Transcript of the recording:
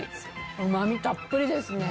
うまみたっぷりですね。